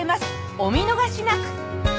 お見逃しなく！